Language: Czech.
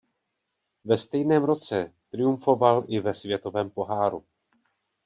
Ve stejném roce triumfoval i ve Světovém poháru.